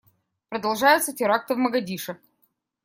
Продолжаются теракты в Могадишо.